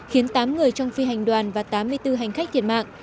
khiến tám người trong phi hành đoàn và tám mươi bốn hành khách thiệt mạng